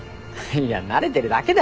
いや慣れてるだけだよ。